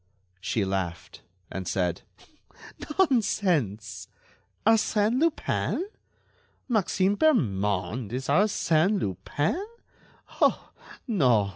She laughed, and said: "Nonsense! Arsène Lupin? Maxime Bermond is Arsène Lupin? Oh! no!